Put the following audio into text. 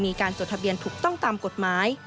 จดทะเบียนถูกต้องตามกฎหมาย